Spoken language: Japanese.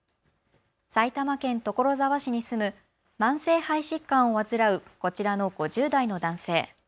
埼玉県所沢市に住む慢性肺疾患を患うこちらの５０代の男性。